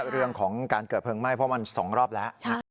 เรื่องของการเกิดเพลิงไหม้เพราะมัน๒รอบแล้ว